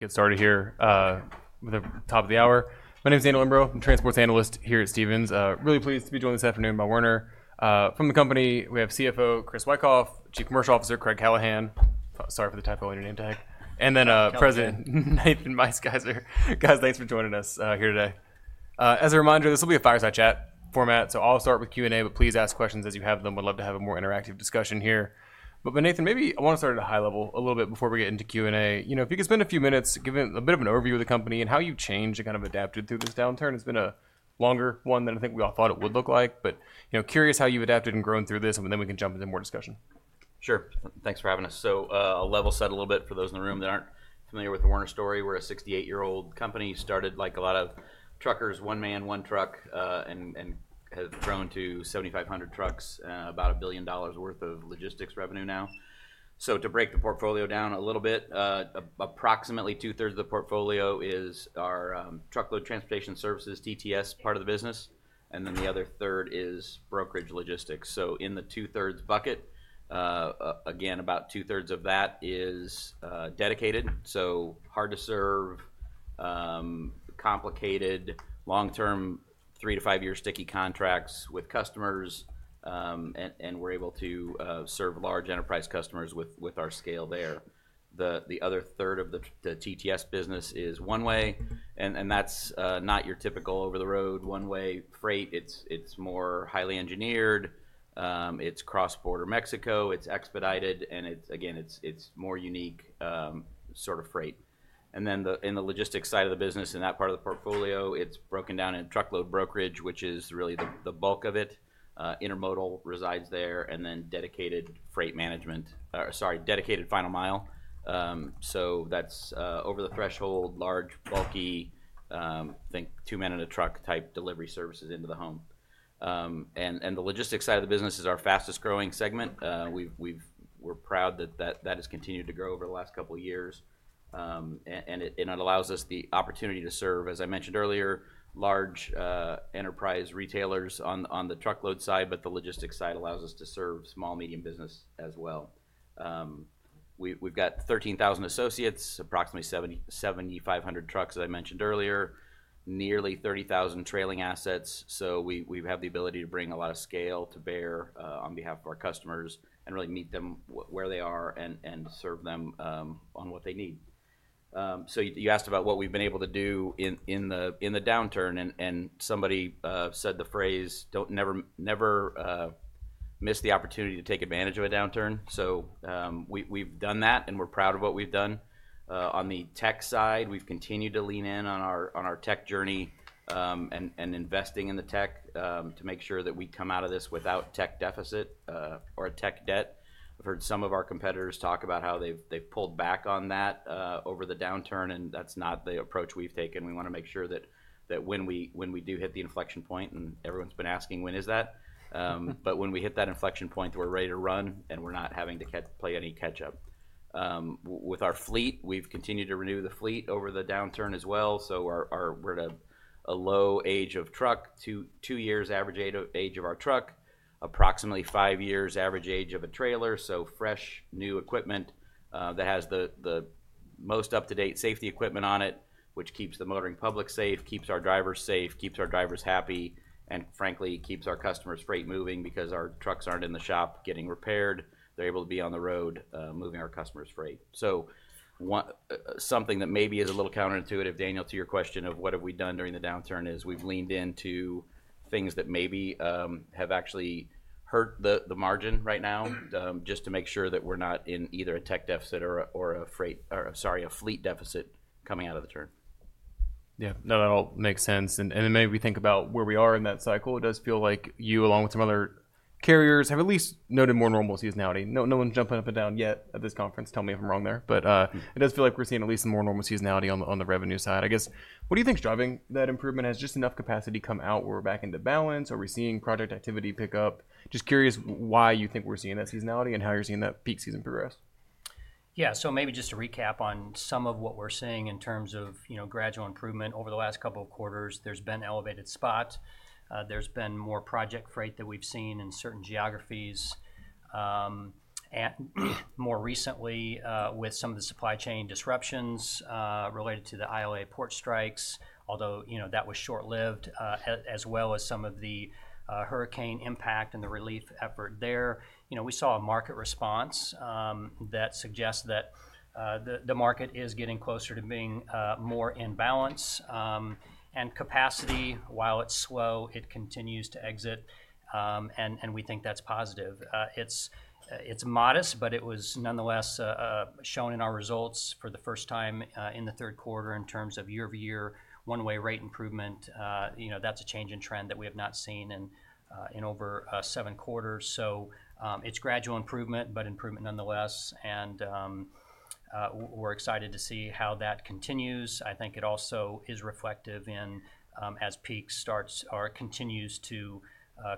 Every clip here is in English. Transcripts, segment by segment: Get started here at the top of the hour. My name is Daniel Imbro. I'm a Transportation Analyst here at Stephens. Really pleased to be joined this afternoon by Werner. From the company, we have CFO Chris Wikoff, Chief Commercial Officer Craig Callahan, sorry for the typo in your name tag, and then President Nathan Meisgeier. Guys, thanks for joining us here today. As a reminder, this will be a fireside chat format, so I'll start with Q&A, but please ask questions as you have them. We'd love to have a more interactive discussion here. But Nathan, maybe I want to start at a high level a little bit before we get into Q&A. If you could spend a few minutes giving a bit of an overview of the company and how you've changed and kind of adapted through this downturn. It's been a longer one than I think we all thought it would look like, but curious how you've adapted and grown through this, and then we can jump into more discussion. Sure. Thanks for having us. So I'll level set a little bit for those in the room that aren't familiar with the Werner story. We're a 68-year-old company. Started like a lot of truckers, one man, one truck, and have grown to 7,500 trucks, about $1 billion worth of logistics revenue now. So to break the portfolio down a little bit, approximately two-thirds of the portfolio is our Truckload Transportation Services, TTS, part of the business, and then the other third is brokerage logistics. So in the two-thirds bucket, again, about two-thirds of that is dedicated. So hard to serve, complicated, long-term, three- to five-year sticky contracts with customers, and we're able to serve large enterprise customers with our scale there. The other third of the TTS business is One-Way, and that's not your typical over-the-road One-Way freight. It's more highly engineered. It's cross-border Mexico. It's expedited, and again, it's more unique sort of freight. And then in the logistics side of the business, in that part of the portfolio, it's broken down into truckload brokerage, which is really the bulk of it. Intermodal resides there, and then dedicated freight management, sorry, dedicated Final Mile. So that's over the threshold, large, bulky, I think two-man-in-a-truck type delivery services into the home. And the logistics side of the business is our fastest growing segment. We're proud that that has continued to grow over the last couple of years, and it allows us the opportunity to serve, as I mentioned earlier, large enterprise retailers on the truckload side, but the logistics side allows us to serve small, medium business as well. We've got 13,000 associates, approximately 7,500 trucks, as I mentioned earlier, nearly 30,000 trailer assets. So we have the ability to bring a lot of scale to bear on behalf of our customers and really meet them where they are and serve them on what they need. So you asked about what we've been able to do in the downturn, and somebody said the phrase, "Don't never miss the opportunity to take advantage of a downturn." So we've done that, and we're proud of what we've done. On the tech side, we've continued to lean in on our tech journey and investing in the tech to make sure that we come out of this without tech deficit or a tech debt. I've heard some of our competitors talk about how they've pulled back on that over the downturn, and that's not the approach we've taken. We want to make sure that when we do hit the inflection point, and everyone's been asking, "When is that?", but when we hit that inflection point, we're ready to run, and we're not having to play any catch-up. With our fleet, we've continued to renew the fleet over the downturn as well, so we're at a low age of truck, two years average age of our truck, approximately five years average age of a trailer. So fresh, new equipment that has the most up-to-date safety equipment on it, which keeps the motoring public safe, keeps our drivers safe, keeps our drivers happy, and frankly, keeps our customers' freight moving because our trucks aren't in the shop getting repaired. They're able to be on the road moving our customers' freight. So, something that maybe is a little counterintuitive, Daniel, to your question of what have we done during the downturn, is we've leaned into things that maybe have actually hurt the margin right now, just to make sure that we're not in either a tech deficit or a freight, sorry, a fleet deficit coming out of the turn. Yeah. No, that all makes sense. And then maybe we think about where we are in that cycle. It does feel like you, along with some other carriers, have at least noted more normal seasonality. No one's jumping up and down yet at this conference. Tell me if I'm wrong there. But it does feel like we're seeing at least some more normal seasonality on the revenue side. I guess, what do you think's driving that improvement? Has just enough capacity come out where we're back into balance? Are we seeing project activity pick up? Just curious why you think we're seeing that seasonality and how you're seeing that peak season progress. Yeah. So maybe just to recap on some of what we're seeing in terms of gradual improvement over the last couple of quarters, there's been elevated spot. There's been more project freight that we've seen in certain geographies more recently with some of the supply chain disruptions related to the ILA port strikes, although that was short-lived, as well as some of the hurricane impact and the relief effort there. We saw a market response that suggests that the market is getting closer to being more in balance. And capacity, while it's slow, it continues to exit, and we think that's positive. It's modest, but it was nonetheless shown in our results for the first time in the third quarter in terms of year-over-year One-Way rate improvement. That's a change in trend that we have not seen in over seven quarters. So it's gradual improvement, but improvement nonetheless, and we're excited to see how that continues. I think it also is reflective in, as peak starts or continues to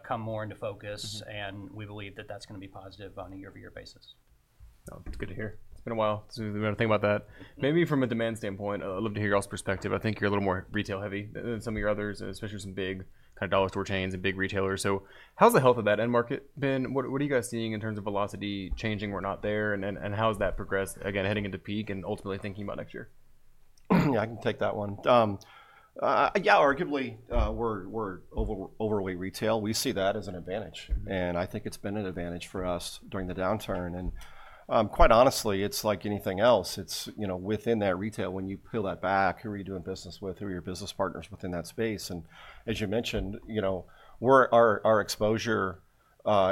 come more into focus, and we believe that that's going to be positive on a year-over-year basis. That's good to hear. It's been a while. So we've been thinking about that. Maybe from a demand standpoint, I'd love to hear y'all's perspective. I think you're a little more retail-heavy than some of your others, especially some big kind of dollar store chains and big retailers. So how's the health of that end market been? What are you guys seeing in terms of velocity changing or not there, and how has that progressed, again, heading into peak and ultimately thinking about next year? Yeah, I can take that one. Yeah, arguably we're overly retail. We see that as an advantage, and I think it's been an advantage for us during the downturn. And quite honestly, it's like anything else. It's within that retail, when you peel that back, who are you doing business with? Who are your business partners within that space? And as you mentioned, our exposure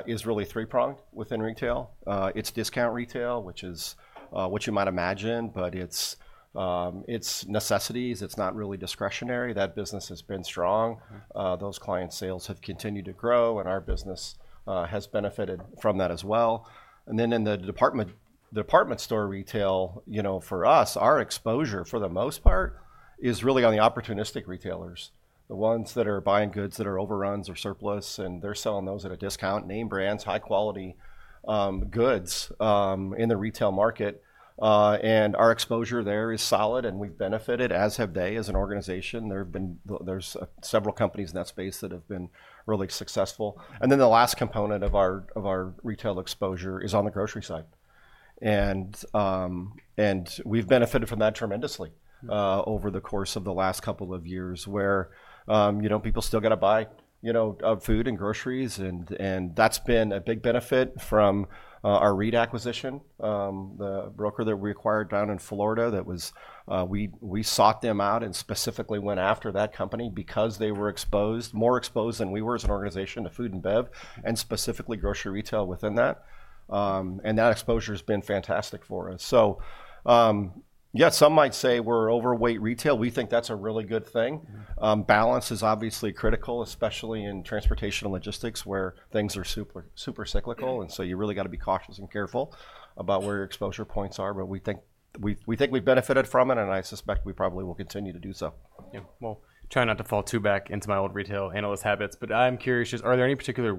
is really three-pronged within retail. It's discount retail, which is what you might imagine, but it's necessities. It's not really discretionary. That business has been strong. Those client sales have continued to grow, and our business has benefited from that as well. And then in the department store retail, for us, our exposure for the most part is really on the opportunistic retailers, the ones that are buying goods that are overruns or surplus, and they're selling those at a discount, name brands, high-quality goods in the retail market. And our exposure there is solid, and we've benefited, as have they as an organization. There's several companies in that space that have been really successful. And then the last component of our retail exposure is on the grocery side. And we've benefited from that tremendously over the course of the last couple of years where people still got to buy food and groceries, and that's been a big benefit from our ReedTMS acquisition. The broker that we acquired down in Florida, we sought them out and specifically went after that company because they were exposed, more exposed than we were as an organization to food and bev and specifically grocery retail within that, and that exposure has been fantastic for us, so yeah, some might say we're overweight retail. We think that's a really good thing. Balance is obviously critical, especially in transportation and logistics where things are super cyclical, and so you really got to be cautious and careful about where your exposure points are, but we think we've benefited from it, and I suspect we probably will continue to do so. Yeah, well, try not to fall too back into my old retail analyst habits, but I'm curious, are there any particular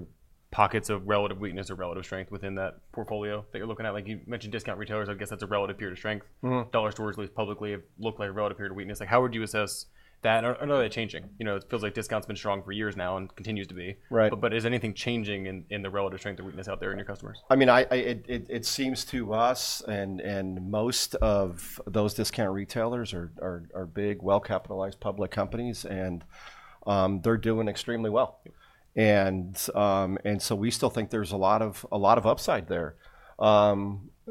pockets of relative weakness or relative strength within that portfolio that you're looking at? Like you mentioned discount retailers, I guess that's a relative period of strength. Dollar stores at least publicly have looked like a relative period of weakness. How would you assess that? I know that changing. It feels like discounts have been strong for years now and continue to be. But is anything changing in the relative strength or weakness out there in your customers? I mean, it seems to us, and most of those discount retailers are big, well-capitalized public companies, and they're doing extremely well. And so we still think there's a lot of upside there.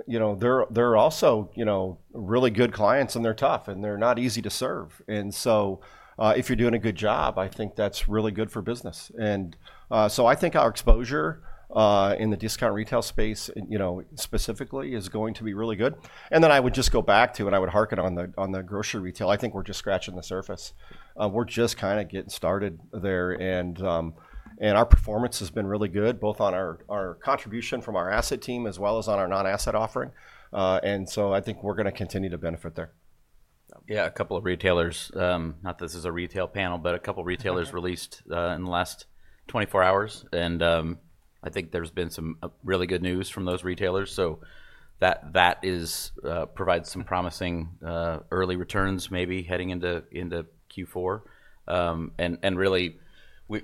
They're also really good clients, and they're tough, and they're not easy to serve. And so if you're doing a good job, I think that's really good for business. And so I think our exposure in the discount retail space specifically is going to be really good. And then I would just go back to, and I would harken on the grocery retail, I think we're just scratching the surface. We're just kind of getting started there, and our performance has been really good, both on our contribution from our asset team as well as on our non-asset offering. And so I think we're going to continue to benefit there. Yeah, a couple of retailers, not that this is a retail panel, but a couple of retailers released in the last 24 hours, and I think there's been some really good news from those retailers, so that provides some promising early returns maybe heading into Q4, and really,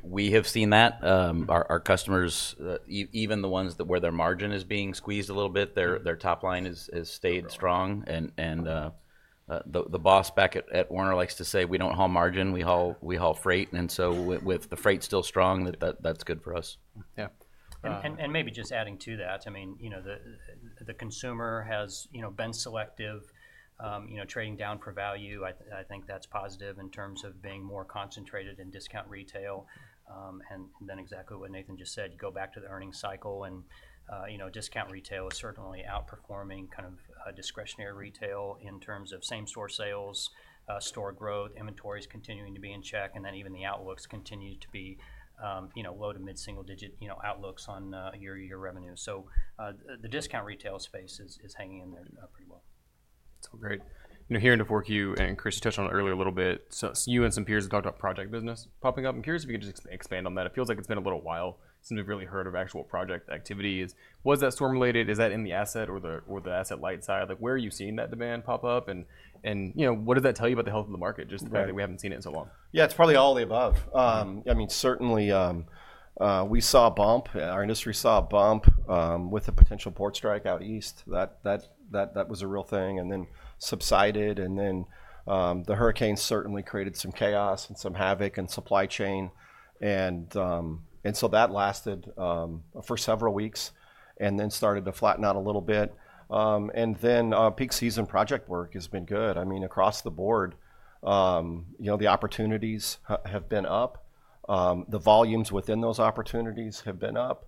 we have seen that. Our customers, even the ones where their margin is being squeezed a little bit, their top line has stayed strong, and the boss back at Werner likes to say, "We don't haul margin. We haul freight," and so with the freight still strong, that's good for us. Yeah, and maybe just adding to that, I mean, the consumer has been selective, trading down for value. I think that's positive in terms of being more concentrated in discount retail, and then exactly what Nathan just said, go back to the earnings cycle, and discount retail is certainly outperforming kind of discretionary retail in terms of same-store sales, store growth, inventories continuing to be in check, and then even the outlooks continue to be low to mid-single-digit outlooks on year-to-year revenue, so the discount retail space is hanging in there pretty well. That's all great. Here in Q4, you and Chris touched on it earlier a little bit. You and some peers have talked about project business popping up. I'm curious if you could just expand on that. It feels like it's been a little while. It's been really short of actual project activity. Was that storm-related? Is that in the asset or the asset light side? Where are you seeing that demand pop up, and what does that tell you about the health of the market, just the fact that we haven't seen it in so long? Yeah, it's probably all the above. I mean, certainly, we saw a bump. Our industry saw a bump with a potential port strike out east. That was a real thing and then subsided. And then the hurricane certainly created some chaos and some havoc in supply chain. And so that lasted for several weeks and then started to flatten out a little bit. And then peak season project work has been good. I mean, across the board, the opportunities have been up. The volumes within those opportunities have been up,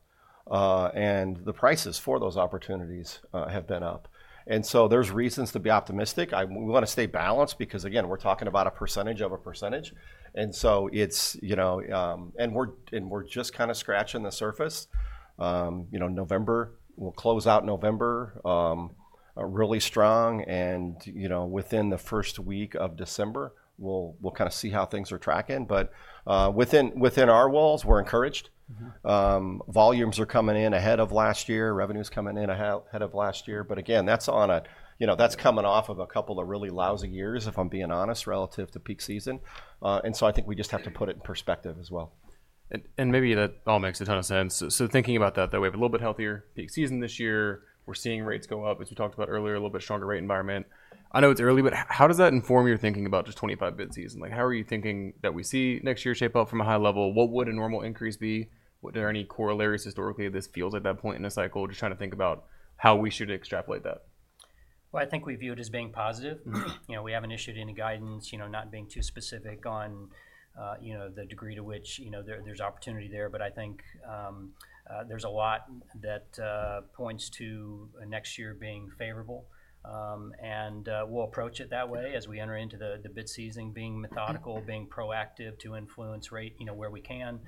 and the prices for those opportunities have been up. And so there's reasons to be optimistic. We want to stay balanced because, again, we're talking about a percentage of a percentage. And so it's, and we're just kind of scratching the surface. November, we'll close out November really strong. And within the first week of December, we'll kind of see how things are tracking. But within our walls, we're encouraged. Volumes are coming in ahead of last year. Revenue is coming in ahead of last year. But again, that's coming off of a couple of really lousy years, if I'm being honest, relative to peak season. And so I think we just have to put it in perspective as well. Maybe that all makes a ton of sense. Thinking about that we have a little bit healthier peak season this year. We're seeing rates go up, as we talked about earlier, a little bit stronger rate environment. I know it's early, but how does that inform your thinking about just 2025 bid season? How are you thinking that we see next year shape up from a high level? What would a normal increase be? Are there any corollaries historically of this field at that point in the cycle? Just trying to think about how we should extrapolate that. I think we view it as being positive. We haven't issued any guidance, not being too specific on the degree to which there's opportunity there, but I think there's a lot that points to next year being favorable, and we'll approach it that way as we enter into the bid season, being methodical, being proactive to influence rate where we can.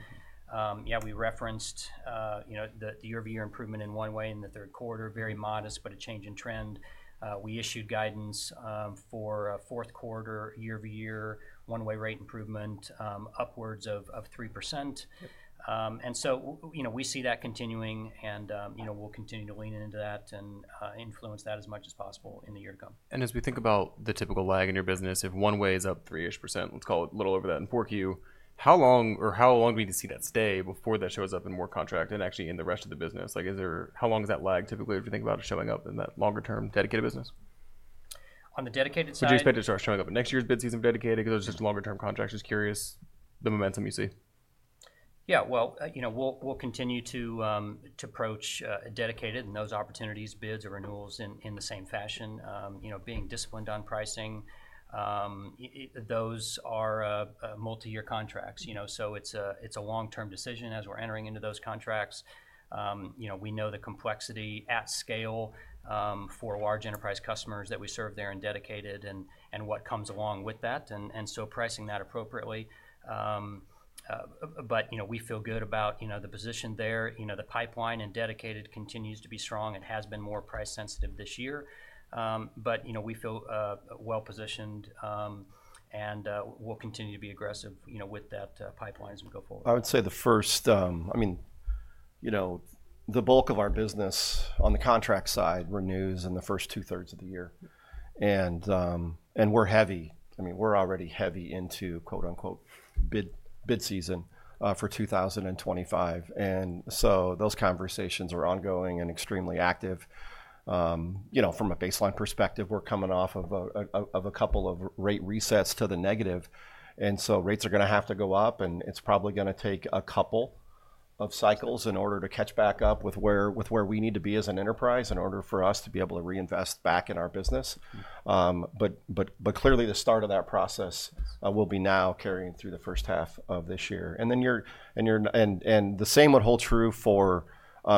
Yeah, we referenced the year-over-year improvement in One-Way in the third quarter, very modest, but a change in trend. We issued guidance for fourth quarter, year-over-year, One-Way rate improvement upwards of 3%, and so we see that continuing, and we'll continue to lean into that and influence that as much as possible in the year to come. As we think about the typical lag in your business, if One-Way is up three-ish percent, let's call it a little over that in 4Q, how long do we need to see that stay before that shows up in more contract and actually in the rest of the business? How long is that lag typically if you think about it showing up in that longer-term dedicated business? On the dedicated side? Did you expect it to start showing up in next year's bid season of dedicated because it's just longer-term contracts? Just curious the momentum you see. Yeah. Well, we'll continue to approach dedicated and those opportunities, bids or renewals in the same fashion. Being disciplined on pricing, those are multi-year contracts. So it's a long-term decision as we're entering into those contracts. We know the complexity at scale for large enterprise customers that we serve there in dedicated and what comes along with that, and so pricing that appropriately. But we feel good about the position there. The pipeline in dedicated continues to be strong. It has been more price-sensitive this year. But we feel well-positioned, and we'll continue to be aggressive with that pipeline as we go forward. I would say the first, I mean, the bulk of our business on the contract side renews in the first two-thirds of the year, and we're heavy. I mean, we're already heavy into "bid season" for 2025, and so those conversations are ongoing and extremely active. From a baseline perspective, we're coming off of a couple of rate resets to the negative, and so rates are going to have to go up, and it's probably going to take a couple of cycles in order to catch back up with where we need to be as an enterprise in order for us to be able to reinvest back in our business, but clearly, the start of that process will be now carrying through the first half of this year, and the same would hold true for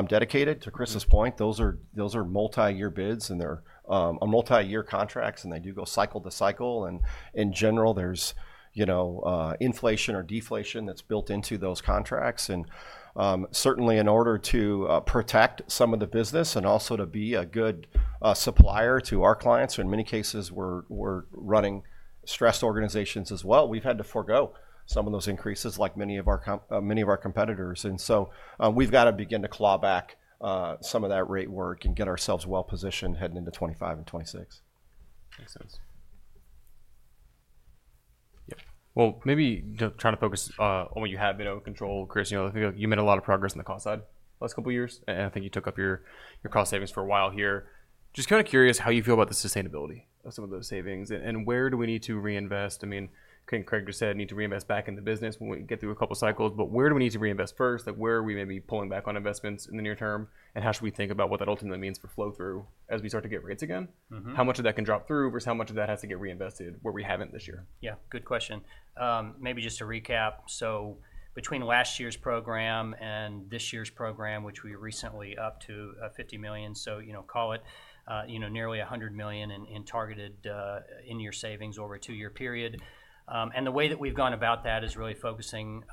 dedicated, to Chris's point. Those are multi-year bids, and they're multi-year contracts, and they do go cycle to cycle. And in general, there's inflation or deflation that's built into those contracts. And certainly, in order to protect some of the business and also to be a good supplier to our clients, in many cases, we're running stressed organizations as well. We've had to forgo some of those increases like many of our competitors. And so we've got to begin to claw back some of that rate work and get ourselves well-positioned heading into 2025 and 2026. Makes sense. Yeah. Well, maybe trying to focus on what you have in control, Chris. You made a lot of progress on the cost side the last couple of years, and I think you took up your cost savings for a while here. Just kind of curious how you feel about the sustainability of some of those savings and where do we need to reinvest. I mean, I think Craig just said we need to reinvest back in the business when we get through a couple of cycles. But where do we need to reinvest first? Where are we maybe pulling back on investments in the near term, and how should we think about what that ultimately means for flow-through as we start to get rates again? How much of that can drop through versus how much of that has to get reinvested where we haven't this year? Yeah, good question. Maybe just to recap, so between last year's program and this year's program, which we recently upped to $50 million, so call it nearly $100 million in targeted in-year savings over a two-year period, and the way that we've gone about that is really focusing,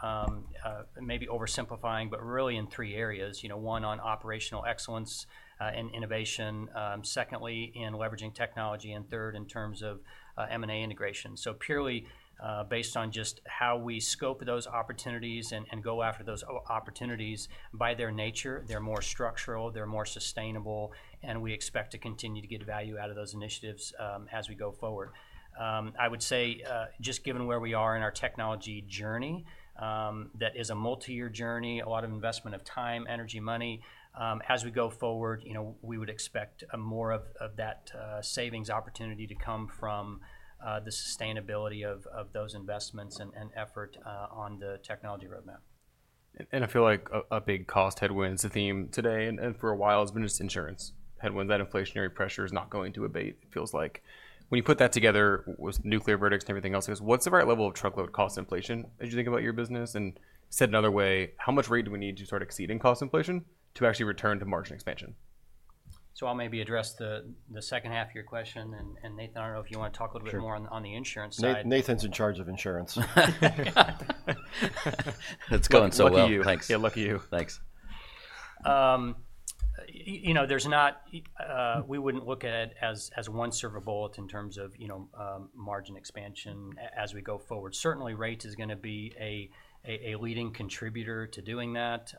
maybe oversimplifying, but really in three areas. One on operational excellence and innovation. Secondly, in leveraging technology. And third, in terms of M&A integration. So purely based on just how we scope those opportunities and go after those opportunities. By their nature, they're more structural. They're more sustainable. And we expect to continue to get value out of those initiatives as we go forward. I would say just given where we are in our technology journey, that is a multi-year journey, a lot of investment of time, energy, money. As we go forward, we would expect more of that savings opportunity to come from the sustainability of those investments and effort on the technology roadmap. I feel like a big cost headwinds the theme today, and for a while has been just insurance headwinds that inflationary pressure is not going to abate, it feels like. When you put that together with nuclear verdicts and everything else, what's the right level of truckload cost inflation as you think about your business? And said another way, how much rate do we need to start exceeding cost inflation to actually return to margin expansion? So I'll maybe address the second half of your question. And Nathan, I don't know if you want to talk a little bit more on the insurance side. Nathan's in charge of insurance. It's going so well. Thanks. Lucky you. Thanks. We wouldn't look at it as one silver bullet in terms of margin expansion as we go forward. Certainly, rate is going to be a leading contributor to doing that.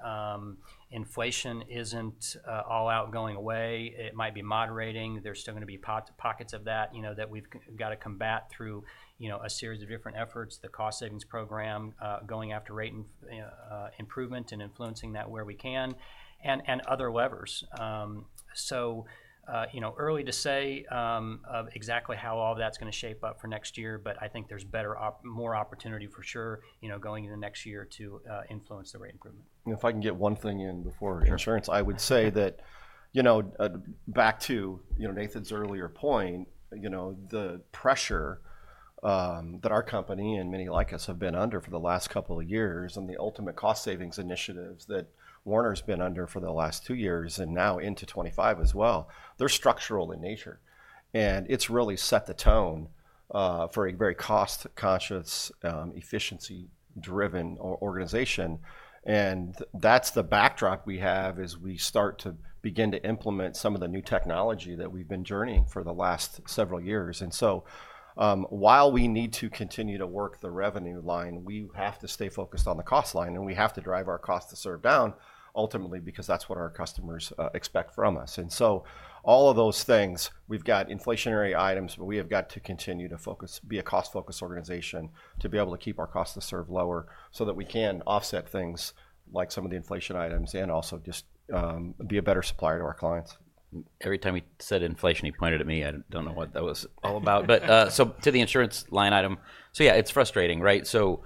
Inflation isn't all out going away. It might be moderating. There's still going to be pockets of that that we've got to combat through a series of different efforts, the cost savings program, going after rate improvement and influencing that where we can, and other levers. So early to say exactly how all of that's going to shape up for next year, but I think there's more opportunity for sure going into next year to influence the rate improvement. If I can get one thing in before insurance, I would say that back to Nathan's earlier point, the pressure that our company and many like us have been under for the last couple of years and the ultimate cost savings initiatives that Werner's been under for the last two years and now into 2025 as well, they're structural in nature, and it's really set the tone for a very cost-conscious, efficiency-driven organization, and that's the backdrop we have as we start to begin to implement some of the new technology that we've been journeying for the last several years, and so while we need to continue to work the revenue line, we have to stay focused on the cost line, and we have to drive our cost to serve down ultimately because that's what our customers expect from us. And so all of those things, we've got inflationary items, but we have got to continue to be a cost-focused organization to be able to keep our cost to serve lower so that we can offset things like some of the inflation items and also just be a better supplier to our clients. Every time he said inflation, he pointed at me. I don't know what that was all about. But so to the insurance line item, so yeah, it's frustrating, right? So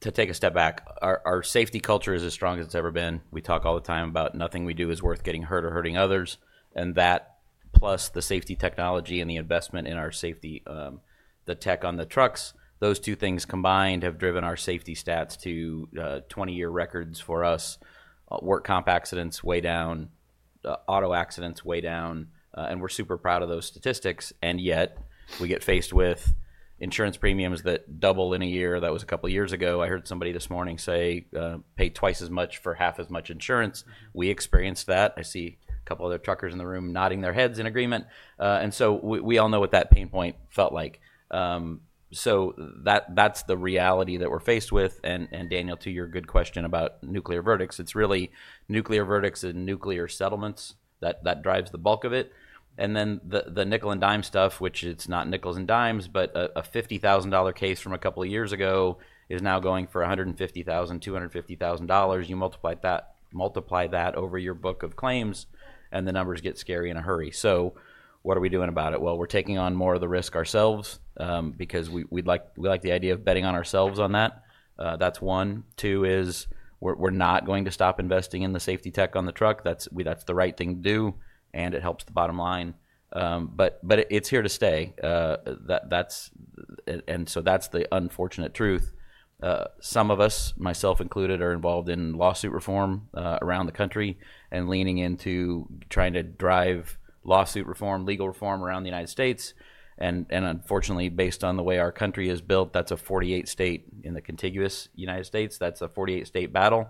to take a step back, our safety culture is as strong as it's ever been. We talk all the time about nothing we do is worth getting hurt or hurting others. And that plus the safety technology and the investment in our safety, the tech on the trucks, those two things combined have driven our safety stats to 20-year records for us. Work comp accidents way down, auto accidents way down. And we're super proud of those statistics. And yet we get faced with insurance premiums that double in a year. That was a couple of years ago. I heard somebody this morning say, "Pay twice as much for half as much insurance." We experienced that. I see a couple of other truckers in the room nodding their heads in agreement. And so we all know what that pain point felt like. So that's the reality that we're faced with. And Daniel, to your good question about nuclear verdicts, it's really nuclear verdicts and nuclear settlements that drives the bulk of it. And then the nickel and dime stuff, which it's not nickels and dimes, but a $50,000 case from a couple of years ago is now going for $150,000-$250,000. You multiply that over your book of claims, and the numbers get scary in a hurry. So what are we doing about it? Well, we're taking on more of the risk ourselves because we like the idea of betting on ourselves on that. That's one. Two is we're not going to stop investing in the safety tech on the truck. That's the right thing to do, and it helps the bottom line. But it's here to stay. And so that's the unfortunate truth. Some of us, myself included, are involved in lawsuit reform around the country and leaning into trying to drive lawsuit reform, legal reform around the United States. And unfortunately, based on the way our country is built, that's a 48-state in the contiguous United States. That's a 48-state battle.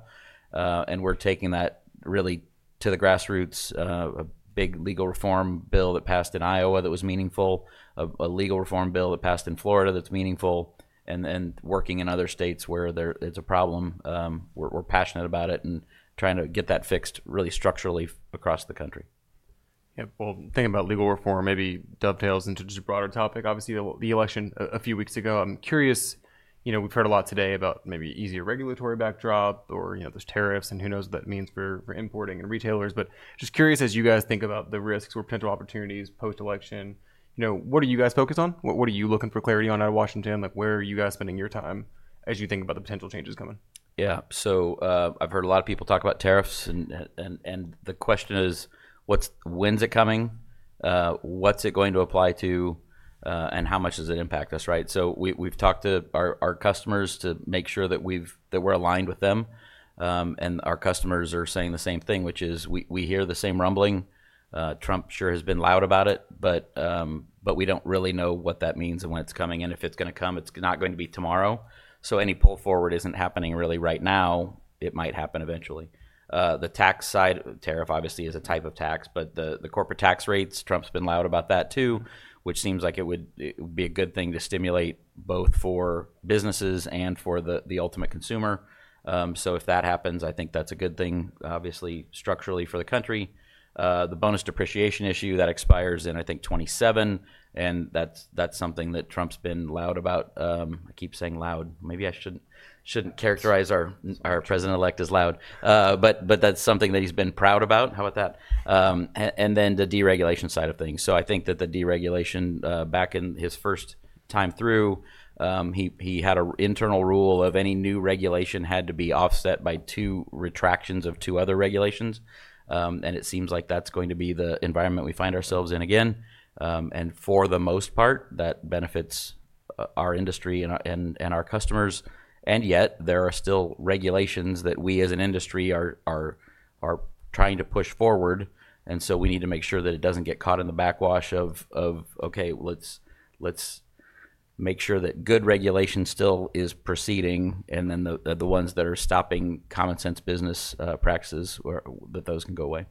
And we're taking that really to the grassroots, a big legal reform bill that passed in Iowa that was meaningful, a legal reform bill that passed in Florida that's meaningful, and working in other states where it's a problem. We're passionate about it and trying to get that fixed really structurally across the country. Yeah. Well, thinking about legal reform maybe dovetails into just a broader topic. Obviously, the election a few weeks ago. I'm curious, we've heard a lot today about maybe easier regulatory backdrop or those tariffs and who knows what that means for importing and retailers. But just curious as you guys think about the risks or potential opportunities post-election, what are you guys focused on? What are you looking for clarity on out of Washington? Where are you guys spending your time as you think about the potential changes coming? Yeah. So I've heard a lot of people talk about tariffs. And the question is, when's it coming? What's it going to apply to? And how much does it impact us? Right? So we've talked to our customers to make sure that we're aligned with them. And our customers are saying the same thing, which is we hear the same rumbling. Trump sure has been loud about it, but we don't really know what that means and when it's coming. And if it's going to come, it's not going to be tomorrow. So any pull forward isn't happening really right now. It might happen eventually. The tax side, tariff obviously is a type of tax, but the corporate tax rates, Trump's been loud about that too, which seems like it would be a good thing to stimulate both for businesses and for the ultimate consumer. So if that happens, I think that's a good thing, obviously, structurally for the country. The bonus depreciation issue that expires in, I think, 2027, and that's something that Trump's been loud about. I keep saying loud. Maybe I shouldn't characterize our president-elect as loud. But that's something that he's been proud about. How about that? And then the deregulation side of things. So I think that the deregulation back in his first time through, he had an internal rule of any new regulation had to be offset by two retractions of two other regulations. And it seems like that's going to be the environment we find ourselves in again. And for the most part, that benefits our industry and our customers. And yet there are still regulations that we as an industry are trying to push forward. And so we need to make sure that it doesn't get caught in the backwash of, "Okay, let's make sure that good regulation still is proceeding," and then the ones that are stopping common sense business practices, that those can go away.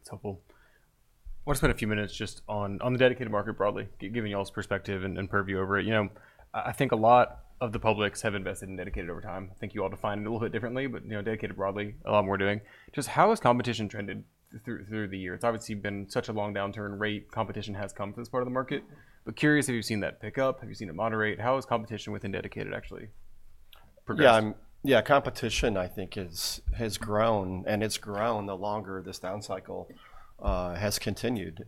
That's helpful. We're just going to spend a few minutes just on the dedicated market broadly, giving you all's perspective and purview over it. I think a lot of the public has invested in dedicated over time. I think you all define it a little bit differently, but dedicated broadly, a lot more doing. Just how has competition trended through the year? It's obviously been such a long downturn. Rate competition has come to this part of the market. But, curious if you've seen that pick up. Have you seen it moderate? How has competition within dedicated actually progressed? Yeah, competition I think has grown, and it's grown the longer this down cycle has continued.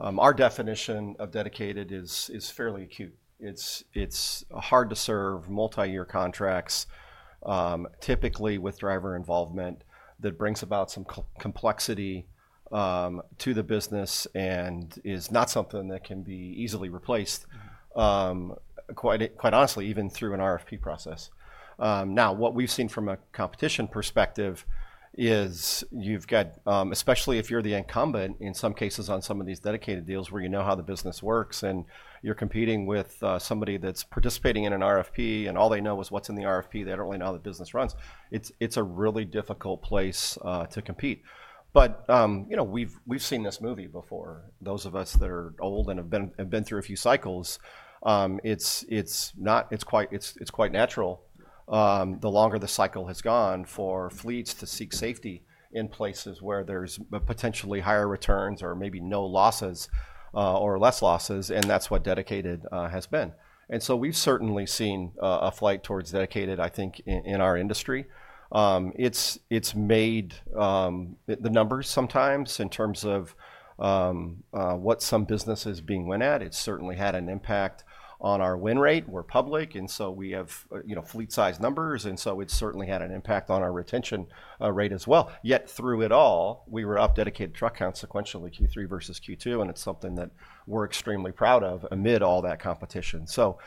Our definition of dedicated is fairly acute. It's hard to serve multi-year contracts, typically with driver involvement that brings about some complexity to the business and is not something that can be easily replaced, quite honestly, even through an RFP process. Now, what we've seen from a competition perspective is you've got, especially if you're the incumbent in some cases on some of these dedicated deals where you know how the business works and you're competing with somebody that's participating in an RFP and all they know is what's in the RFP. They don't really know how the business runs. It's a really difficult place to compete. We've seen this movie before. Those of us that are old and have been through a few cycles. It's quite natural, the longer the cycle has gone, for fleets to seek safety in places where there's potentially higher returns or maybe no losses or less losses, and that's what dedicated has been. And so we've certainly seen a flight towards dedicated, I think, in our industry. It's made the numbers sometimes in terms of what some businesses are winning at. It's certainly had an impact on our win rate. We're public, and so we have fleet-sized numbers, and so it's certainly had an impact on our retention rate as well. Yet through it all, we were up dedicated truck count sequentially, Q3 versus Q2, and it's something that we're extremely proud of amid all that competition. So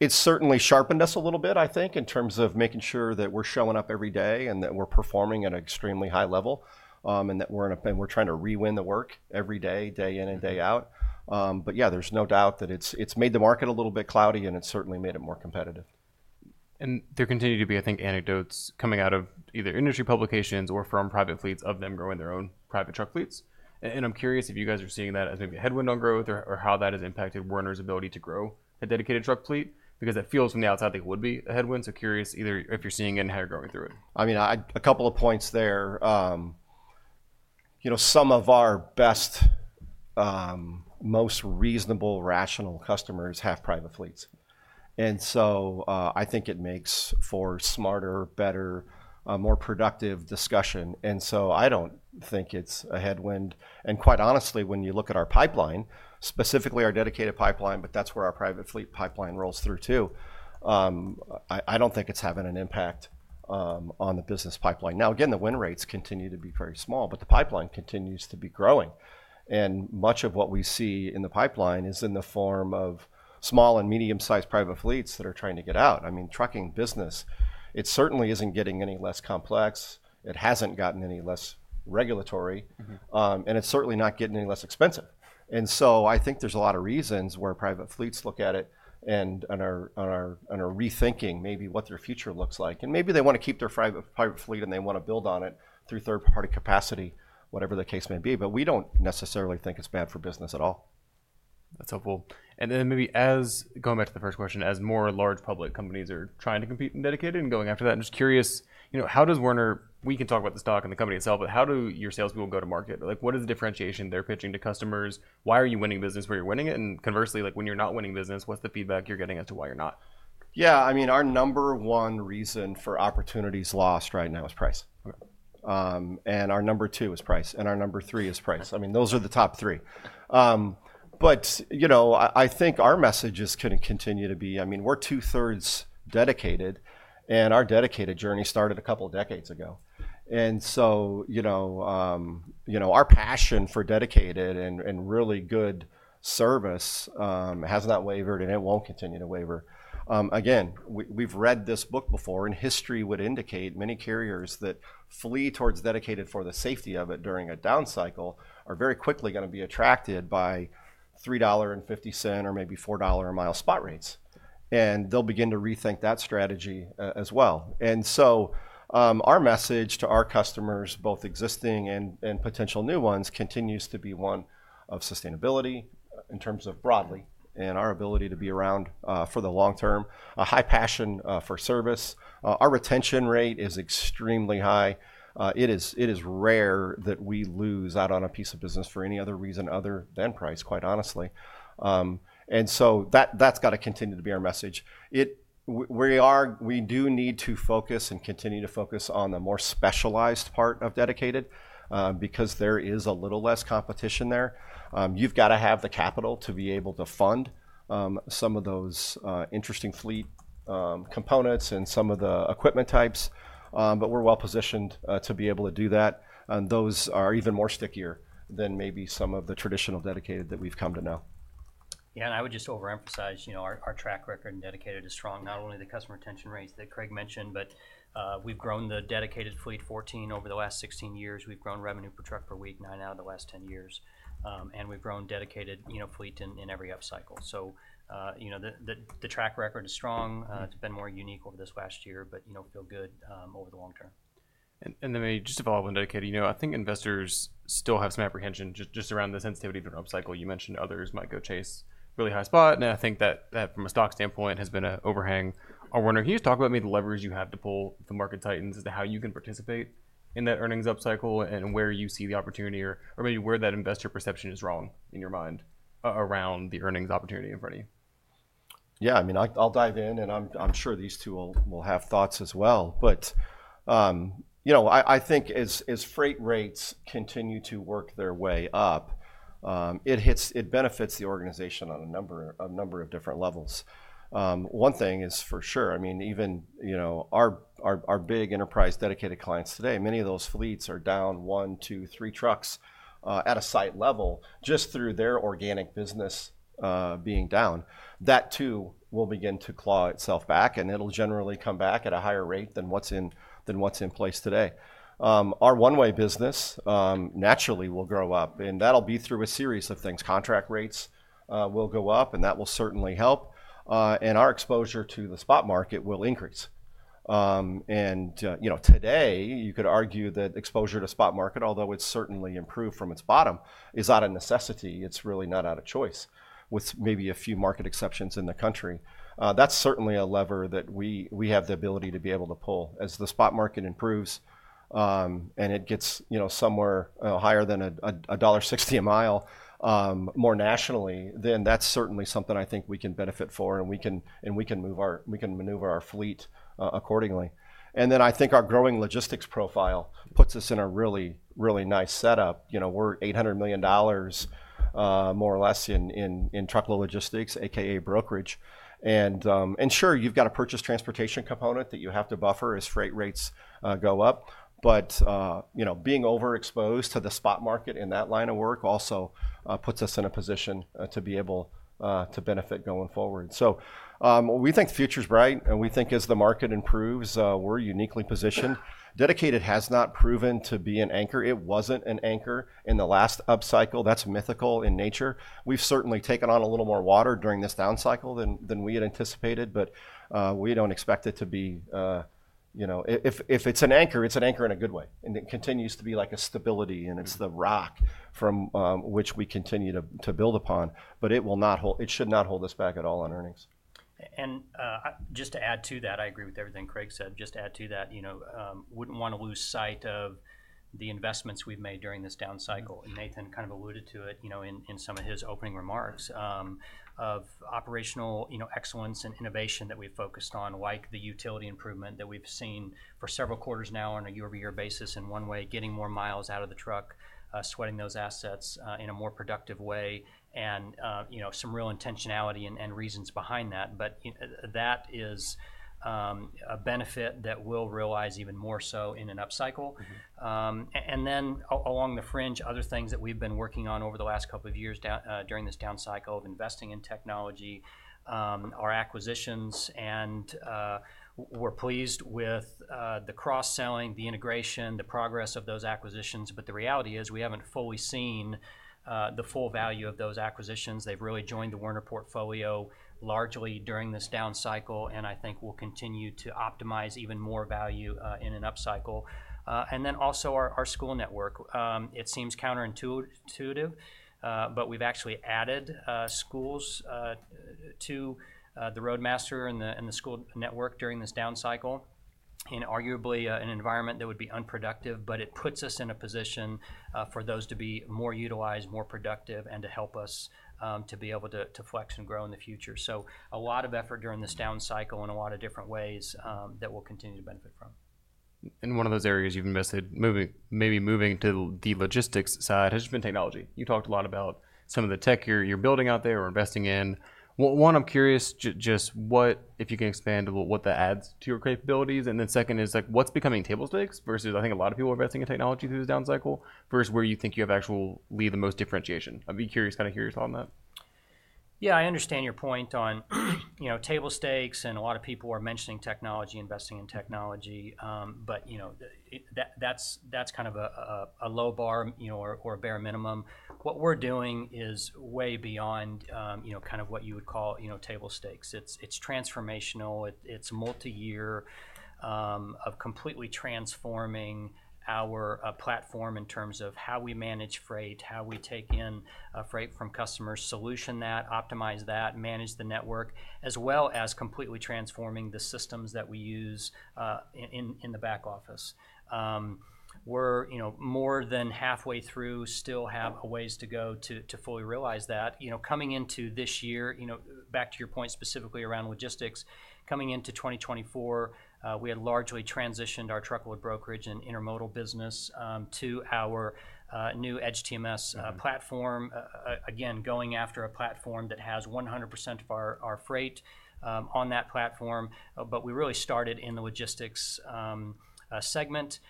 it's certainly sharpened us a little bit, I think, in terms of making sure that we're showing up every day and that we're performing at an extremely high level and that we're trying to rewin the work every day, day in and day out. But yeah, there's no doubt that it's made the market a little bit cloudy, and it's certainly made it more competitive. And there continue to be, I think, anecdotes coming out of either industry publications or from private fleets of them growing their own private truck fleets. And I'm curious if you guys are seeing that as maybe a headwind on growth or how that has impacted Werner's ability to grow a dedicated truck fleet because it feels from the outside like it would be a headwind. So curious either if you're seeing it and how you're going through it. I mean, a couple of points there. Some of our best, most reasonable, rational customers have private fleets. And so I think it makes for smarter, better, more productive discussion. And so I don't think it's a headwind. And quite honestly, when you look at our pipeline, specifically our dedicated pipeline, but that's where our private fleet pipeline rolls through too, I don't think it's having an impact on the business pipeline. Now, again, the win rates continue to be very small, but the pipeline continues to be growing. And much of what we see in the pipeline is in the form of small and medium-sized private fleets that are trying to get out. I mean, trucking business, it certainly isn't getting any less complex. It hasn't gotten any less regulatory, and it's certainly not getting any less expensive. And so I think there's a lot of reasons where private fleets look at it and are rethinking maybe what their future looks like. And maybe they want to keep their private fleet, and they want to build on it through third-party capacity, whatever the case may be. But we don't necessarily think it's bad for business at all. That's helpful. And then maybe going back to the first question, as more large public companies are trying to compete in dedicated and going after that, I'm just curious, how does Werner? We can talk about the stock and the company itself, but how do your salespeople go to market? What is the differentiation they're pitching to customers? Why are you winning business where you're winning it? And conversely, when you're not winning business, what's the feedback you're getting as to why you're not? Yeah. I mean, our number one reason for opportunities lost right now is price. And our number two is price. And our number three is price. I mean, those are the top three. But I think our message is going to continue to be, I mean, we're two-thirds dedicated, and our dedicated journey started a couple of decades ago. And so our passion for dedicated and really good service has not wavered, and it won't continue to waver. Again, we've read this book before, and history would indicate many carriers that flee towards dedicated for the safety of it during a down cycle are very quickly going to be attracted by $3.50 or maybe $4 a mile spot rates. And they'll begin to rethink that strategy as well. And so our message to our customers, both existing and potential new ones, continues to be one of sustainability in terms of broadly and our ability to be around for the long term, a high passion for service. Our retention rate is extremely high. It is rare that we lose out on a piece of business for any other reason other than price, quite honestly. And so that's got to continue to be our message. We do need to focus and continue to focus on the more specialized part of dedicated because there is a little less competition there. You've got to have the capital to be able to fund some of those interesting fleet components and some of the equipment types. But we're well positioned to be able to do that. And those are even more stickier than maybe some of the traditional dedicated that we've come to know. Yeah. And I would just overemphasize our track record in dedicated is strong. Not only the customer retention rates that Craig mentioned, but we've grown the dedicated fleet 14 over the last 16 years. We've grown revenue per truck per week, nine out of the last 10 years. And we've grown dedicated fleet in every up cycle. So the track record is strong. It's been more unique over this last year, but feel good over the long term. And then maybe just to follow up on dedicated, I think investors still have some apprehension just around the sensitivity to an up cycle. You mentioned others might go chase really high spot. And I think that from a stock standpoint has been an overhang. Werner, can you just talk about maybe the levers you have to pull if the market tightens as to how you can participate in that earnings up cycle and where you see the opportunity or maybe where that investor perception is wrong in your mind around the earnings opportunity in front of you? Yeah. I mean, I'll dive in, and I'm sure these two will have thoughts as well. But I think as freight rates continue to work their way up, it benefits the organization on a number of different levels. One thing is for sure. I mean, even our big enterprise dedicated clients today, many of those fleets are down one, two, three trucks at a site level just through their organic business being down. That too will begin to claw itself back, and it'll generally come back at a higher rate than what's in place today. Our One-Way business naturally will grow up, and that'll be through a series of things. Contract rates will go up, and that will certainly help. And our exposure to the spot market will increase. And today, you could argue that exposure to spot market, although it's certainly improved from its bottom, is not a necessity. It's really not out of choice with maybe a few market exceptions in the country. That's certainly a lever that we have the ability to be able to pull. As the spot market improves and it gets somewhere higher than $1.60 a mile more nationally, then that's certainly something I think we can benefit for, and we can maneuver our fleet accordingly. And then I think our growing logistics profile puts us in a really, really nice setup. We're $800 million more or less in Truckload Logistics, a.k.a. brokerage. And sure, you've got a purchased transportation component that you have to buffer as freight rates go up. But being overexposed to the spot market in that line of work also puts us in a position to be able to benefit going forward. So we think the future's bright, and we think as the market improves, we're uniquely positioned. Dedicated has not proven to be an anchor. It wasn't an anchor in the last up cycle. That's mythical in nature. We've certainly taken on a little more water during this down cycle than we had anticipated, but we don't expect it to be. If it's an anchor, it's an anchor in a good way. And it continues to be like a stability, and it's the rock from which we continue to build upon. But it should not hold us back at all on earnings. And just to add to that, I agree with everything Craig said. Just add to that, wouldn't want to lose sight of the investments we've made during this down cycle. Nathan kind of alluded to it in some of his opening remarks on operational excellence and innovation that we've focused on, like the utilization improvement that we've seen for several quarters now on a year-over-year basis in One-Way, getting more miles out of the truck, sweating those assets in a more productive way, and some real intentionality and reasons behind that. That is a benefit that we'll realize even more so in an up cycle. Then along those lines, other things that we've been working on over the last couple of years during this down cycle, investing in technology, our acquisitions. We're pleased with the cross-selling, the integration, the progress of those acquisitions. But the reality is we haven't fully seen the full value of those acquisitions. They've really joined the Werner portfolio largely during this down cycle, and I think will continue to optimize even more value in an up cycle. And then also our school network. It seems counterintuitive, but we've actually added schools to the Roadmaster and the school network during this down cycle in arguably an environment that would be unproductive, but it puts us in a position for those to be more utilized, more productive, and to help us to be able to flex and grow in the future. So a lot of effort during this down cycle in a lot of different ways that we'll continue to benefit from. One of those areas you've invested, maybe moving to the logistics side, has just been technology. You talked a lot about some of the tech you're building out there or investing in. One, I'm curious just what, if you can expand, what that adds to your capabilities. Then second is what's becoming table stakes versus I think a lot of people are investing in technology through this down cycle versus where you think you have actually the most differentiation. I'd be curious kind of hear your thought on that. Yeah. I understand your point on table stakes, and a lot of people are mentioning technology, investing in technology. But that's kind of a low bar or a bare minimum. What we're doing is way beyond kind of what you would call table stakes. It's transformational. It's multi-year of completely transforming our platform in terms of how we manage freight, how we take in freight from customers, solution that, optimize that, manage the network, as well as completely transforming the systems that we use in the back office. We're more than halfway through, still have a ways to go to fully realize that. Coming into this year, back to your point specifically around logistics, coming into 2024, we had largely transitioned our truckload brokerage and intermodal business to our new EDGE TMS platform, again, going after a platform that has 100% of our freight on that platform. But we really started in the logistics segment,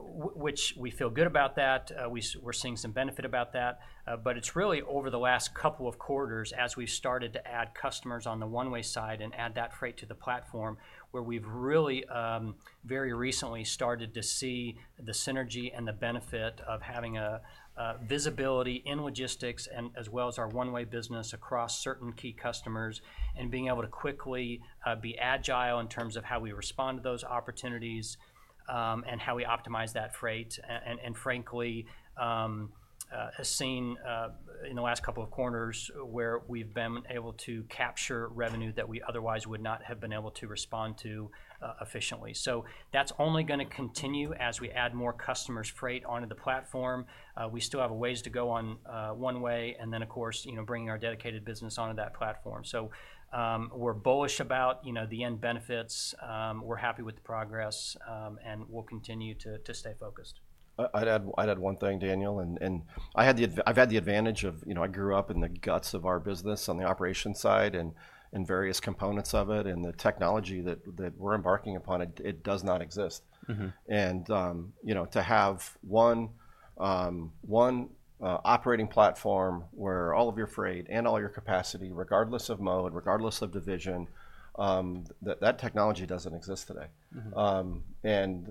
which we feel good about. We're seeing some benefit about that. But it's really over the last couple of quarters as we've started to add customers on the One-Way side and add that freight to the platform where we've really very recently started to see the synergy and the benefit of having visibility in logistics as well as our One-Way business across certain key customers and being able to quickly be agile in terms of how we respond to those opportunities and how we optimize that freight. And frankly, I've seen in the last couple of quarters where we've been able to capture revenue that we otherwise would not have been able to respond to efficiently. So that's only going to continue as we add more customers' freight onto the platform. We still have a ways to go on One-Way and then, of course, bringing our dedicated business onto that platform. So we're bullish about the end benefits. We're happy with the progress, and we'll continue to stay focused. I'd add one thing, Daniel. And I've had the advantage of I grew up in the guts of our business on the operation side and various components of it. And the technology that we're embarking upon, it does not exist. And to have one operating platform where all of your freight and all your capacity, regardless of mode, regardless of division, that technology doesn't exist today. And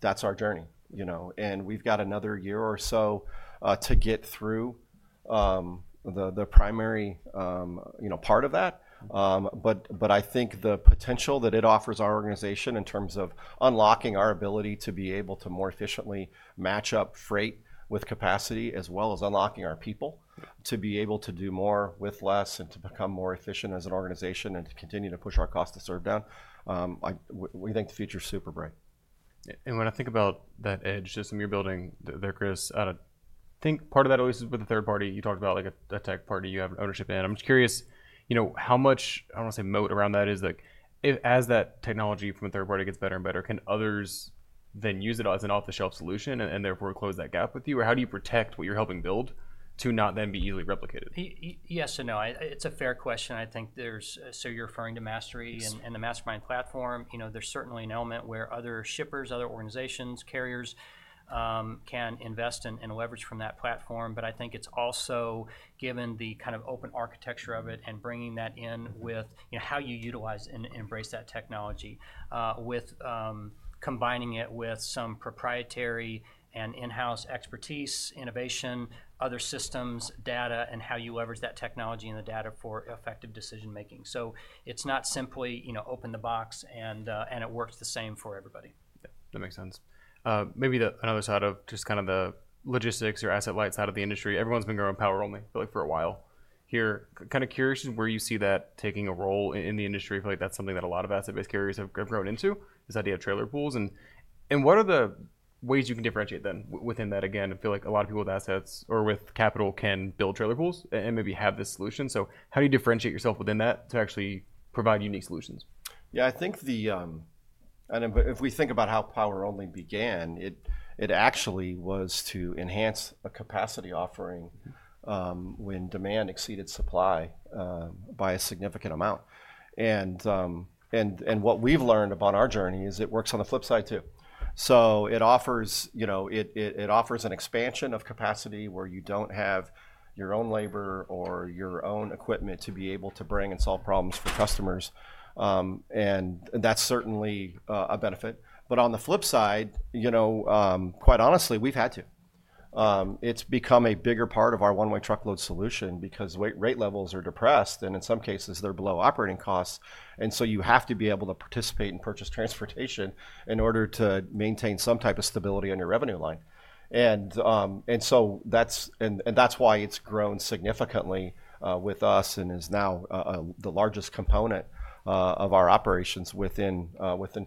that's our journey. And we've got another year or so to get through the primary part of that. But I think the potential that it offers our organization in terms of unlocking our ability to be able to more efficiently match up freight with capacity as well as unlocking our people to be able to do more with less and to become more efficient as an organization and to continue to push our cost to serve down, we think the future is super bright. When I think about that EDGE system you're building there, Chris, I think part of that always is with a third party. You talked about a tech partner. You have ownership in it. I'm just curious how much, I don't want to say moat around that is, as that technology from a third party gets better and better, can others then use it as an off-the-shelf solution and therefore close that gap with you? Or how do you protect what you're helping build to not then be easily replicated? Yes and no. It's a fair question. I think you're referring to Mastery and the MasterMind platform. There's certainly an element where other shippers, other organizations, carriers can invest and leverage from that platform. But I think it's also given the kind of open architecture of it and bringing that in with how you utilize and embrace that technology with combining it with some proprietary and in-house expertise, innovation, other systems, data, and how you leverage that technology and the data for effective decision-making. So it's not simply out of the box, and it works the same for everybody. That makes sense. Maybe another side of just kind of the logistics or asset light side of the industry, everyone's been growing power only for a while. Here, kind of curious where you see that taking a role in the industry. I feel like that's something that a lot of asset-based carriers have grown into, this idea of trailer pools. And what are the ways you can differentiate then within that? Again, I feel like a lot of people with assets or with capital can build trailer pools and maybe have this solution. So how do you differentiate yourself within that to actually provide unique solutions? Yeah. I think if we think about how power only began, it actually was to enhance a capacity offering when demand exceeded supply by a significant amount. And what we've learned upon our journey is it works on the flip side too. So it offers an expansion of capacity where you don't have your own labor or your own equipment to be able to bring and solve problems for customers. And that's certainly a benefit. But on the flip side, quite honestly, we've had to. It's become a bigger part of our One-Way truckload solution because rate levels are depressed, and in some cases, they're below operating costs. And so you have to be able to participate in purchased transportation in order to maintain some type of stability on your revenue line. That's why it's grown significantly with us and is now the largest component of our operations within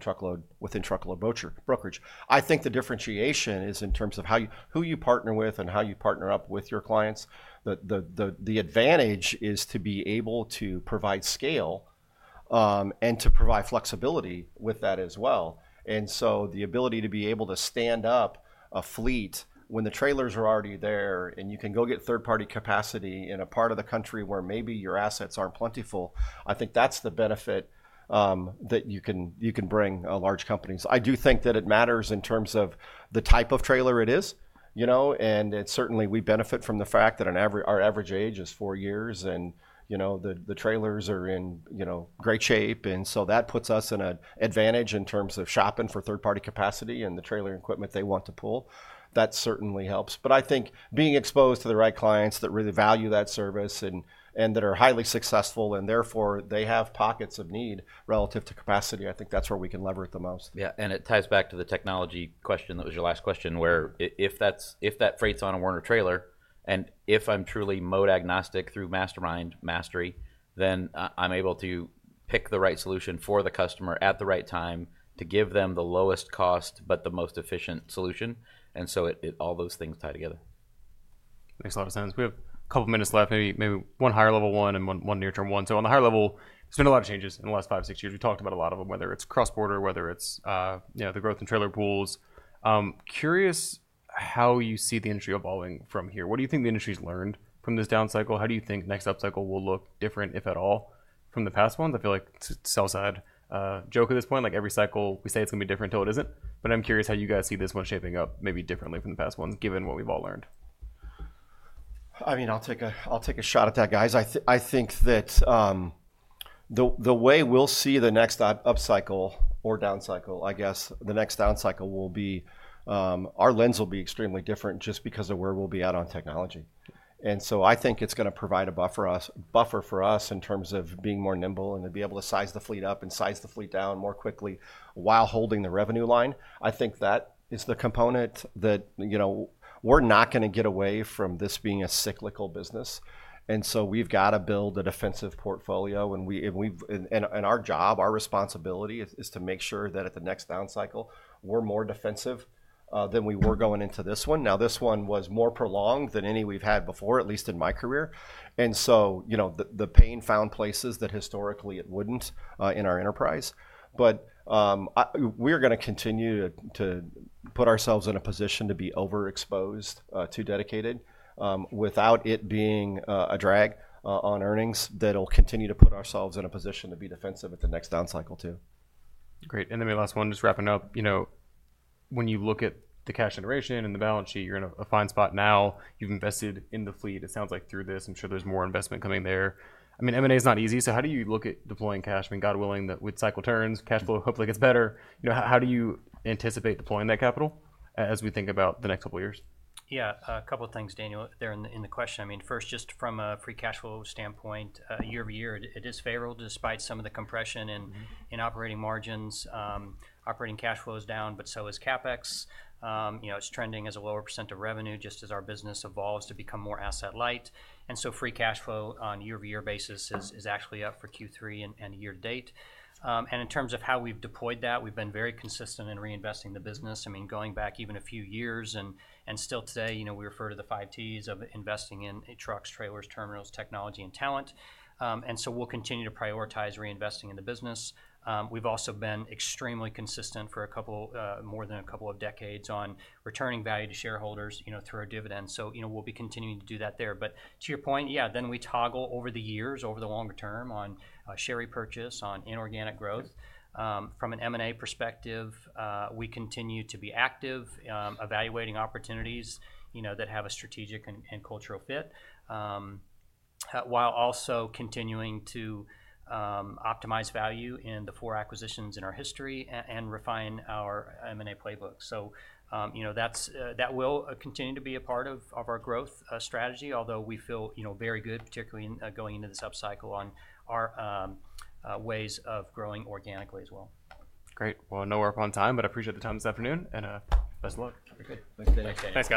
truckload brokerage. I think the differentiation is in terms of who you partner with and how you partner up with your clients. The advantage is to be able to provide scale and to provide flexibility with that as well. The ability to be able to stand up a fleet when the trailers are already there and you can go get third-party capacity in a part of the country where maybe your assets aren't plentiful. I think that's the benefit that you can bring large companies. I do think that it matters in terms of the type of trailer it is. Certainly, we benefit from the fact that our average age is four years and the trailers are in great shape. And so that puts us in an advantage in terms of shopping for third-party capacity and the trailer equipment they want to pull. That certainly helps. But I think being exposed to the right clients that really value that service and that are highly successful and therefore they have pockets of need relative to capacity, I think that's where we can leverage it the most. Yeah. And it ties back to the technology question that was your last question where if that freight's on a Werner trailer and if I'm truly mode agnostic through MasterMind, Mastery, then I'm able to pick the right solution for the customer at the right time to give them the lowest cost but the most efficient solution. And so all those things tie together. Makes a lot of sense. We have a couple of minutes left, maybe one higher level one and one near-term one. So on the higher level, there's been a lot of changes in the last five, six years. We talked about a lot of them, whether it's cross-border, whether it's the growth in trailer pools. Curious how you see the industry evolving from here. What do you think the industry's learned from this down cycle? How do you think next up cycle will look different, if at all, from the past ones? I feel like it's a sell-side joke at this point. Every cycle, we say it's going to be different until it isn't. But I'm curious how you guys see this one shaping up maybe differently from the past ones given what we've all learned. I mean, I'll take a shot at that, guys. I think that the way we'll see the next up cycle or down cycle, I guess the next down cycle will be. Our lens will be extremely different just because of where we'll be at on technology. And so I think it's going to provide a buffer for us in terms of being more nimble and to be able to size the fleet up and size the fleet down more quickly while holding the revenue line. I think that is the component that we're not going to get away from this being a cyclical business. And so we've got to build a defensive portfolio. And our job, our responsibility is to make sure that at the next down cycle, we're more defensive than we were going into this one. Now, this one was more prolonged than any we've had before, at least in my career. And so the pain found places that historically it wouldn't in our enterprise. But we're going to continue to put ourselves in a position to be overexposed to dedicated without it being a drag on earnings that'll continue to put ourselves in a position to be defensive at the next down cycle too. Great. And then maybe last one, just wrapping up. When you look at the cash generation and the balance sheet, you're in a fine spot now. You've invested in the fleet, it sounds like, through this. I'm sure there's more investment coming there. I mean, M&A is not easy. So how do you look at deploying cash? I mean, God willing, with cycle turns, cash flow hopefully gets better. How do you anticipate deploying that capital as we think about the next couple of years? Yeah. A couple of things, Daniel, there in the question. I mean, first, just from a free cash flow standpoint, year-over-year, it is favorable despite some of the compression in operating margins. Operating cash flow is down, but so is CapEx. It's trending as a lower percent of revenue just as our business evolves to become more asset light. And so free cash flow on a year-over-year basis is actually up for Q3 and year to date. And in terms of how we've deployed that, we've been very consistent in reinvesting the business. I mean, going back even a few years and still today, we refer to the five T's of investing in trucks, trailers, terminals, technology, and talent. And so we'll continue to prioritize reinvesting in the business. We've also been extremely consistent for more than a couple of decades on returning value to shareholders through our dividends. So we'll be continuing to do that there. But to your point, yeah, then we toggle over the years, over the longer term on share repurchase, on inorganic growth. From an M&A perspective, we continue to be active, evaluating opportunities that have a strategic and cultural fit while also continuing to optimize value in the four acquisitions in our history and refine our M&A playbook. So that will continue to be a part of our growth strategy, although we feel very good, particularly going into this up cycle on our ways of growing organically as well. Great. Well, we're out of time, but I appreciate the time this afternoon and best of luck. Thanks Daniel. Thanks guys.